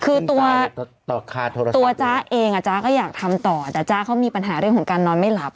คือตัวต่อตัวจ๊ะเองอ่ะจ๊ะก็อยากทำต่อแต่จ๊ะเขามีปัญหาเรื่องของการนอนไม่หลับ